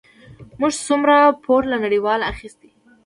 موږ څومره پور له نړیوالو اخیستی؟